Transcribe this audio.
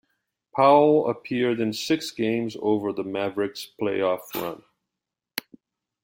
Powell appeared in six games over the Mavericks' playoff run.